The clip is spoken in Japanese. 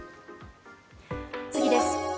次です。